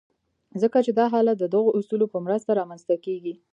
ځکه چې دا حالت د دغو اصولو په مرسته رامنځته کېږي.